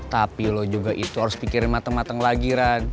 tapi lo juga itu harus pikirin mateng mateng lagi